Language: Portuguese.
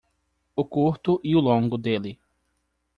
O curto e o longo dele